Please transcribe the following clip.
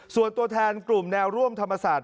ส่วนตัวแทนกลุ่มแนวร่วมธรรมศาสต